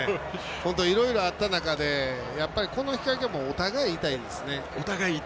本当、いろいろあった中でこの引き分けはお互い痛いですね。